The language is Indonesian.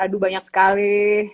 aduh banyak sekali